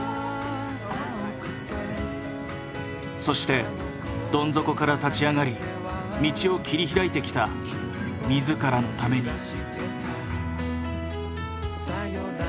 そしてどん底から立ち上がり道を切り開いてきた自らのために。